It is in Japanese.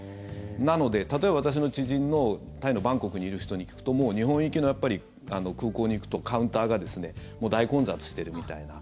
なので、例えば、私の知人のタイのバンコクにいる人に聞くと日本行きの空港に行くとカウンターがもう大混雑しているみたいな。